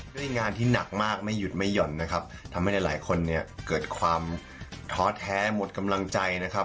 ด้วยงานที่หนักมากไม่หยุดไม่หย่อนนะครับทำให้หลายคนเนี่ยเกิดความท้อแท้หมดกำลังใจนะครับ